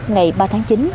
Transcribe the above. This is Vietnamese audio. ngày ba tháng chín